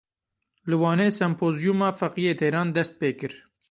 Li Wanê sempozyûma Feqiyê Teyran dest pê kir.